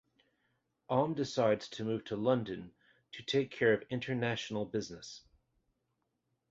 Om decides to move to London to take care of International business.